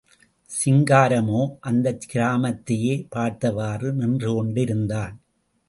சிங்காரமோ, அந்தக் கிராமத்தையே பார்த்தவாறு நின்றுகொண்டிருந்தான்.